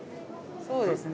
そうですね。